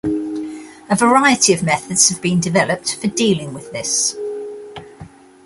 A variety of methods have been developed for dealing with this.